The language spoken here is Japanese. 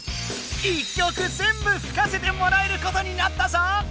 １曲全部吹かせてもらえることになったぞ！